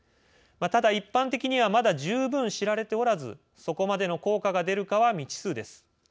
ただ、一般的にはまだ十分知られておらずそこまでの効果が出るかは未知数です。